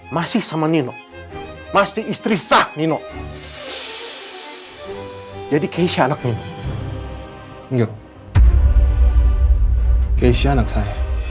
masih sama nino pasti istri sah nino jadi keishaan akun enggak keishaan aksan